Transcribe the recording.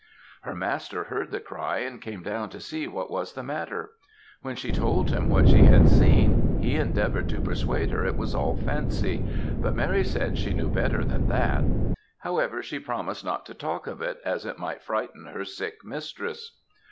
"Her master heard the cry, and came down to see what was the matter. When she told him what she had seen, he endeavoured to persuade her it was all fancy; but Mary said she knew better than that; however, she promised not to talk of it, as it might frighten her sick mistress.